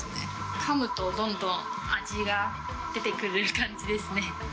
かむと、どんどん味が出てくる感じですね。